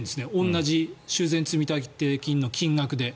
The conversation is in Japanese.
同じ修繕積立金の金額で。